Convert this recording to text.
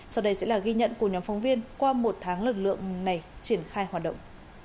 sau đây sẽ là ghi nhận của nhóm phóng viên qua một tháng lực lượng này triển khai hoạt động